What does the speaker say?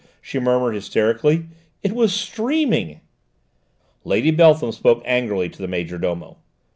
she muttered hysterically; "it was streaming!" Lady Beltham spoke angrily to the major domo.